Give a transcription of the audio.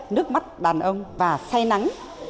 nước mắt đàn ông và say nắng